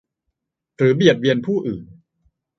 หรือเบียดเบียนผู้อื่น